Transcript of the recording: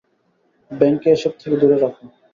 Bank কে এসব থেকে দূরে রাখ।